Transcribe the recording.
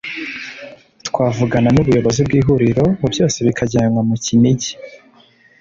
twavugana n’ ubuyobozi bw’ ihuriro byose bikajyanwa mu Kinigi